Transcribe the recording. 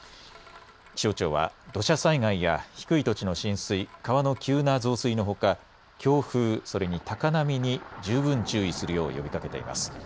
気象庁は土砂災害や低い土地の浸水、川の急な増水のほか、強風、それに高波に十分注意するよう呼びかけています。